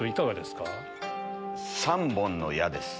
『３本の矢』です。